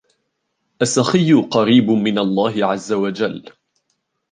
السَّخِيُّ قَرِيبٌ مِنْ اللَّهِ عَزَّ وَجَلَّ